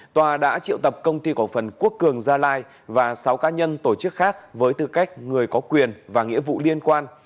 tòa đã triệu tập công ty cổ phần quốc cường gia lai và sáu cá nhân tổ chức khác với tư cách người có quyền và nghĩa vụ liên quan